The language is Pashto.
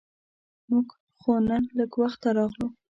مونږ خو نن لږ وخته راغلو.